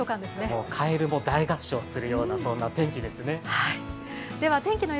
もうカエルも大合唱するような天気ですね。